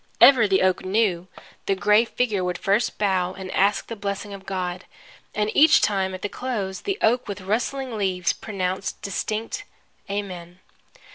Ever, the oak knew, the gray figure would first bow and ask the blessing of God. And each time at the close the oak with rustling leaves pronounced distinct Amen!